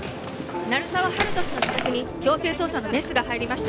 ・鳴沢温人氏の自宅に強制捜査のメスが入りました